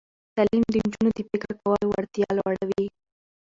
تعلیم د نجونو د فکر کولو وړتیا لوړوي.